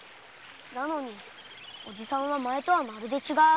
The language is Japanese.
なのにおじさんは前とはまるで違う。